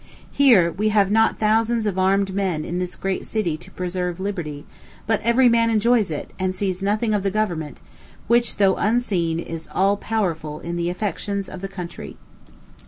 Here we have not thousands of armed men in this great city to preserve liberty; but every man enjoys it, and sees nothing of the government, which, though unseen, is all powerful in the affections of the country.